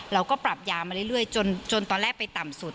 เราก็ปรับยามาเรื่อยจนตอนแรกไปต่ำสุด